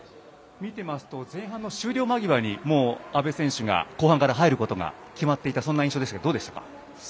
見ていますと前半の終了間際にもう安部選手が後半から入ることが決まっていた印象でしたが、どうでしたか？